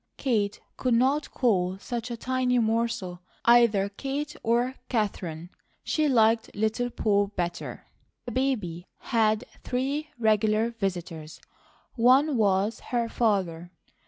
Kate could not call such a tiny morsel either Kate or Katherine; she liked "Little Poll," better. The baby had three regular visitors. One was her father.